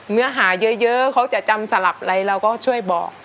เนื้อหาเยอะเขาจะจำสลับอะไรเราก็ช่วยบอก